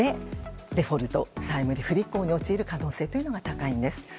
デフォルト・債務不履行に陥る可能性が高いんです。